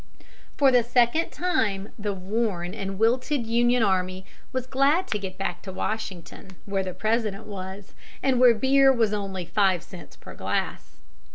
For the second time the worn and wilted Union army was glad to get back to Washington, where the President was, and where beer was only five cents per glass.